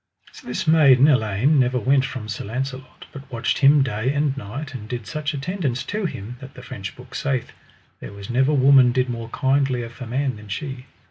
So this maiden Elaine never went from Sir Launcelot, but watched him day and night, and did such attendance to him, that the French book saith there was never woman did more kindlier for man than she.